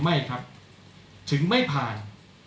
ไม่ครับถึงไม่ผ่าน